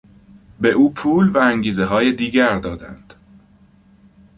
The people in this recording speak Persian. به او پول و انگیزههای دیگر دادند.